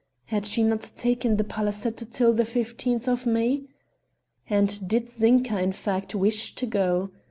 Had she not taken the palazetto till the fifteenth of May? And did Zinka, in fact, wish to go?